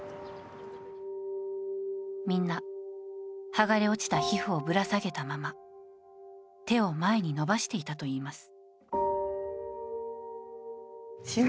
みんな、剥がれ落ちた皮膚をぶら下げたまま手を前に伸ばしていたといいます。